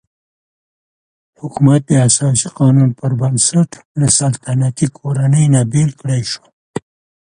حکومت د اساسي قانون پر بنسټ له سلطنتي کورنۍ نه بېل کړای شو.